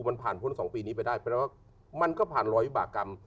มันผ่านพ้น๒ปีนี้ไปได้แปลว่ามันก็ผ่านร้อยวิบากรรม